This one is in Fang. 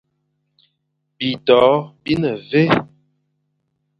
Bitô bi ne mvè,